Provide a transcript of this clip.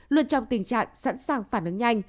luật trong tình trạng sẵn sàng phản ứng nhanh